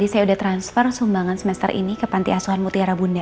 saya sudah transfer sumbangan semester ini ke panti asuhan mutiara bunda